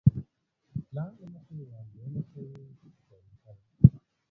پلان له مخکې وړاندوينه شوې طریقه ده.